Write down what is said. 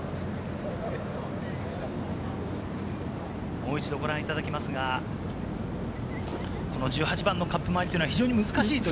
もう一度、ご覧いただきますが、この１８番のカップ周りというのは非常に難しい。